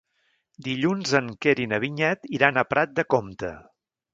Dilluns en Quer i na Vinyet iran a Prat de Comte.